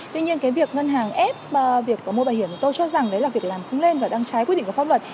tuy nhiên cái việc ngân hàng ép việc có mua bảo hiểm tôi cho rằng đấy là việc làm không lên và đang trái quyết định của pháp luật